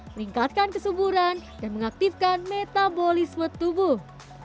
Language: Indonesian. meningkatkan kesuburan dan mengaktifkan metabolisme tubuh